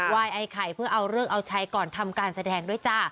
ไอ้ไข่เพื่อเอาเลิกเอาใช้ก่อนทำการแสดงด้วยจ้า